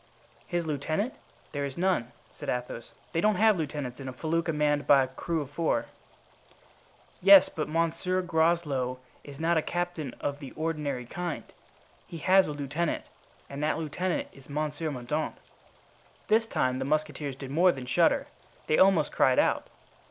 "His lieutenant? There is none," said Athos. "They don't have lieutenants in a felucca manned by a crew of four." "Yes, but Monsieur Groslow is not a captain of the ordinary kind; he has a lieutenant, and that lieutenant is Monsieur Mordaunt." This time the musketeers did more than shudder—they almost cried out.